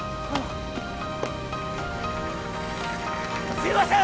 すいません！